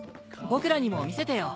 僕らにも見せてよ。